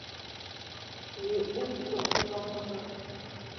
We uu pǝ cok tǝ voŋno ka.